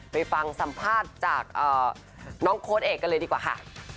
ไปฟังสัมภาษณ์จากน้องโค้ดเอกกันเลยดีกว่าค่ะ